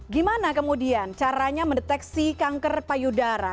gimana kemudian caranya mendeteksi kanker payudara